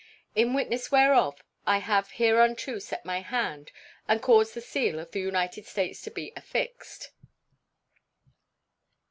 In witness whereof I have hereunto set my hand and caused the seal of the United States to be affixed.